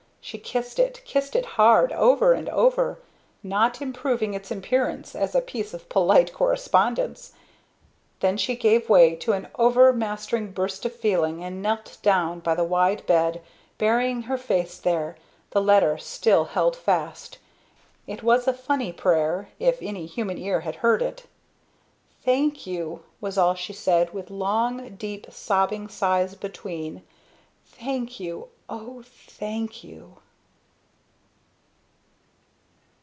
She kissed it kissed it hard, over and over not improving its appearance as a piece of polite correspondence. Then she gave way to an overmastering burst of feeling, and knelt down by the wide bed, burying her face there, the letter still held fast. It was a funny prayer, if any human ear had heard it. "Thank you!" was all she said, with long, deep sobbing sighs between. "Thank you! O thank you!"